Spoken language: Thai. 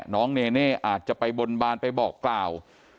น้องเนเน่อาจจะไปบนบานไปบอกกล่าว